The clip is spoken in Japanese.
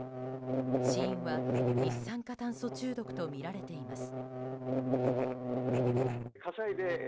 死因は、一酸化炭素中毒とみられています。